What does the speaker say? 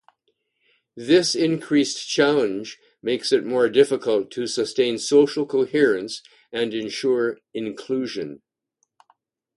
This increased challenge makes it more difficult to sustain social coherence and ensure inclusion.